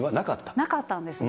なかったんですね。